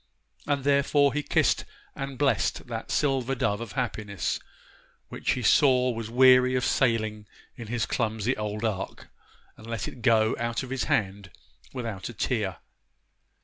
And therefore he kissed and blessed that silver dove of happiness, which he saw was weary of sailing in his clumsy old ark, and let it go out of his hand without a tear.